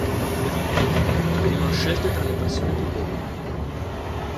Le vittime venivano scelte tra le persone più deboli.